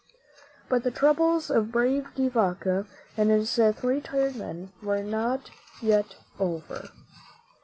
But the troubles of the brave De Vaca and his three tired men were not yet over.